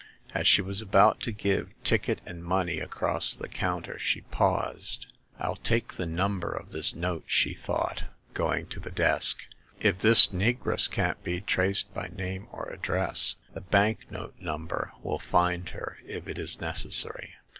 As she was about to give ticket and money across the counter she paused. FU take the number of this note," she thought, going to the desk ;if this negress can't be traced by name or address, the bank note number will find her if it is necessary."